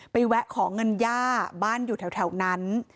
แวะขอเงินย่าบ้านอยู่แถวนั้น